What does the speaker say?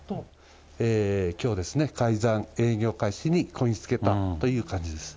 きょう、開山、営業開始にこぎ着けたという感じです。